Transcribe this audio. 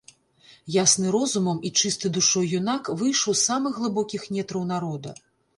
Ясны розумам і чысты душой юнак выйшаў з самых глыбокіх нетраў народа.